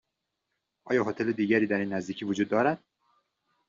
آیا هتل دیگری در این نزدیکی وجود دارد؟